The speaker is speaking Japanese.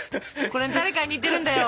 これ誰かに似てるんだよ。